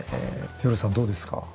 ヨルさんどうですか？